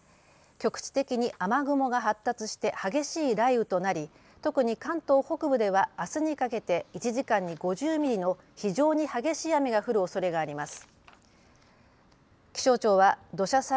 局地的に雨雲が発達して激しい雷雨となり特に関東北部ではあすにかけて１時間に５０ミリの非常に激しい雨が降るおそれがあります。